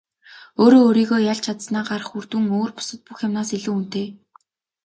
Өөрөө өөрийгөө ялж чадсанаа гарах үр дүн өөр бусад бүх юмнаас илүү үнэтэй.